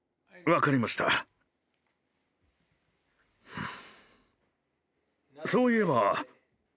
うん？